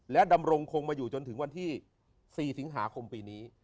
ดำรงคงมาอยู่จนถึงวันที่๔สิงหาคมปีนี้